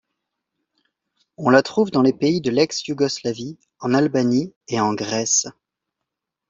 On la trouve dans les pays de l'ex-Yougoslavie, en Albanie et en Grèce.